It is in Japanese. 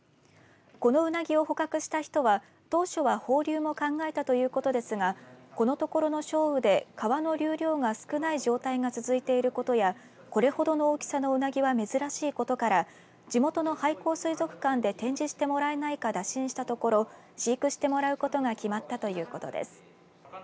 このウナギを捕獲した人は当初は放流も考えたということですがこのところの少雨で川の流量が少ない状態が続いていることやこれほどの大きさのウナギは珍しいことから地元の廃校水族館で展示してもらえないか打診したところ飼育してもらうことが決まったということです。